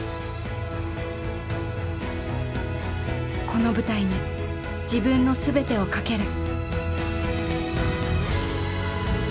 この舞台に自分の全てをかける。